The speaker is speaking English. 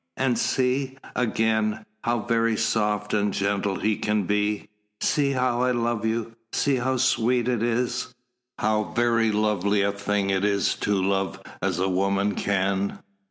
And see, again, how very soft and gentle he can be! See how I love you see how sweet it is how very lovely a thing it is to love as woman can.